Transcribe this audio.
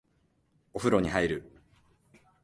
お風呂に入る